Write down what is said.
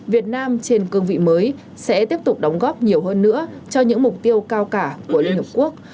việt nam trên cương vị mới sẽ tiếp tục đóng góp nhiều hơn nữa cho những mục tiêu cao cả của liên hợp quốc